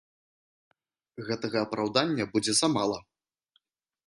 Гэтага апраўдання будзе замала.